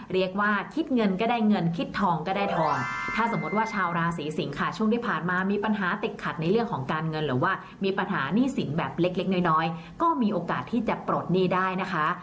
เรียกว่าคิดเงินก็ได้เงินคิดทองก็ได้ทองถ้าสมมติว่าชาวราศีสิงค่ะช่วงที่ผ่านมามีปัญหาติดขัดในเรื่องของการเงินหรือว่ามีปัญหาหนี้สินแบบเล็กน้อยก็มีโอกาสที่จะปลดหนี้ได้นะคะ